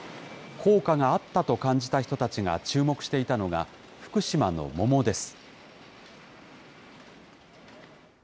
効果があったと感じた人たちが注目していたのが、福島の桃です。